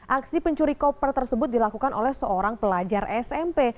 aksi pencuri koper tersebut dilakukan oleh seorang pelajar smp